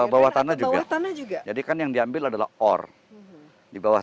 bawah tanah juga jadi kan yang diambil adalah ore